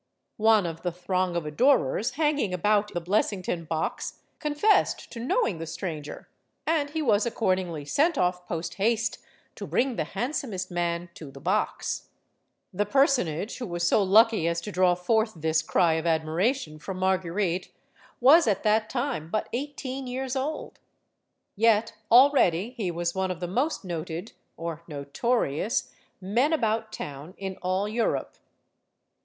One of the throng of adorers hanging about the Blessington box confessed to knowing the stranger, and he was accordingly sent off posthaste to bring the "handsomest man" to the box. The personage who was so lucky as to draw forth this cry of admiration from Marguerite was at that time but eighteen years old. Yet already he was one of the most noted or notorious men about town in all Europe.